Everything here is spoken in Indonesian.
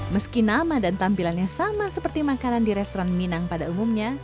meski nama dan tampilannya sama seperti makanan di restoran minang pada umumnya